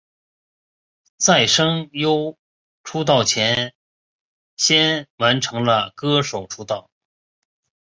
在声优出道前先完成了歌手出道。